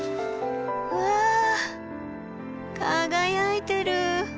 うわ輝いてる！